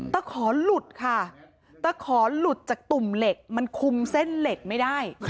ขอหลุดค่ะตะขอหลุดจากตุ่มเหล็กมันคุมเส้นเหล็กไม่ได้